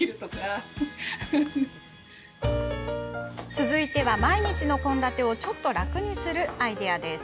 続いては、毎日の献立をちょっと楽にするアイデアです。